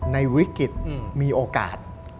ในวิกฤตมีโอกาส